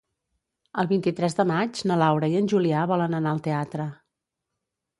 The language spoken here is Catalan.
El vint-i-tres de maig na Laura i en Julià volen anar al teatre.